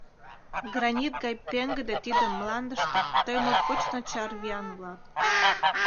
— Гранит гай пеҥгыде тиде Мландыште тый моткоч начар виян улат.